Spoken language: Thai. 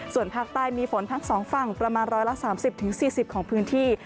ส่วนภาคใต้มีฝนทั้ง๒ฝั่งประมาณ๑๓๐๔๐ของพื้นที่